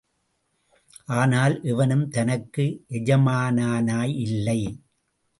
ஆனால் எவனும் தனக்கு எஜமானனாயில்லை.